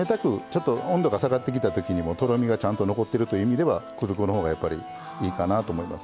ちょっと温度が下がってきたときにもとろみがちゃんと残ってるという意味では粉の方がやっぱりいいかなと思います。